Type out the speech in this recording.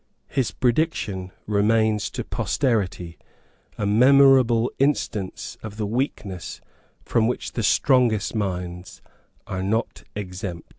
His prediction remains to posterity, a memorable instance of the weakness from which the strongest minds are not exempt.